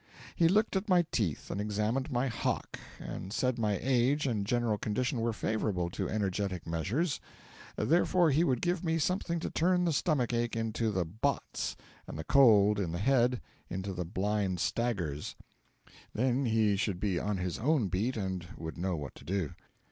He looked at my teeth and examined my hock, and said my age and general condition were favourable to energetic measures; therefore he would give me something to turn the stomach ache into the botts and the cold in the head into the blind staggers; then he should be on his own beat and would know what to do.